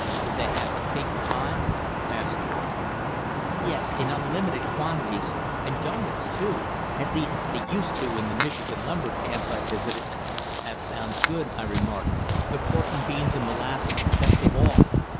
"Do they have cake and pie?" asked George. "Yes, in unlimited quantities; and doughnuts, too at least they used to in the Michigan lumber camps I've visited." "That sounds good," I remarked "the pork and beans and molasses, best of all.